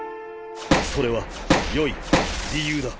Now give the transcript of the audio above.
それはよい理由だ。